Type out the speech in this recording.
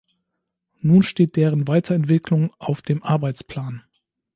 Nun steht deren Weiterentwicklung auf dem Arbeitsplan.